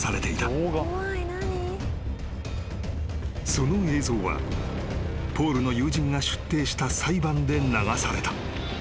［その映像はポールの友人が出廷した裁判で流された］